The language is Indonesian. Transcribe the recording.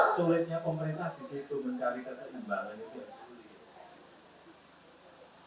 sulitnya pemerintah disitu mencari keseimbangan itu yang sulit